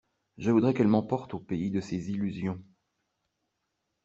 Je voudrais qu’elle m’emporte au pays de ses illusions.